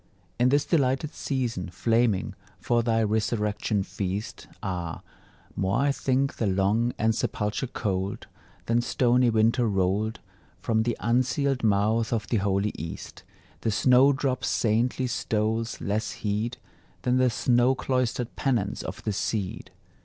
In this delighted season, flaming For thy resurrection feast, Ah, more I think the long ensepulture cold, Than stony winter rolled From the unsealed mouth of the holy East; The snowdrop's saintly stoles less heed Than the snow cloistered penance of the seed.